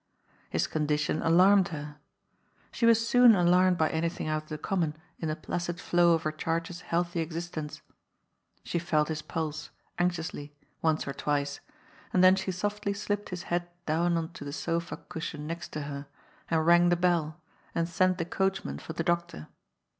His condition alarmed her. She was soon alarmed by anything out of the common in the placid flow of her charge's healthy existence. She felt his pulse, anxiously, once or twice, and then she softly slipped his head down on to the sofa cushion next to her, and rang the bell, and sent the coachman for the doctor.